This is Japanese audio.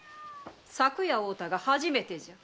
昨夜会うたが初めてじゃ。